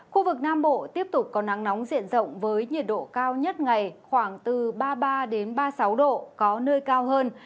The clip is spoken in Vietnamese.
khu vực nam bộ tiếp tục có nắng nóng diện rộng với nhiệt độ cao nhất ngày khoảng từ ba mươi ba ba mươi sáu độ có nơi cao hơn